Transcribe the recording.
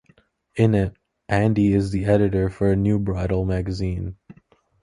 In it, Andy is the editor for a new bridal magazine.